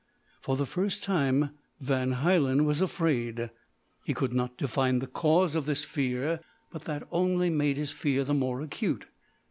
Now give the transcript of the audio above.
For the first time Van Hielen was afraid. He could not define the cause of his fear but that only made his fear the more acute.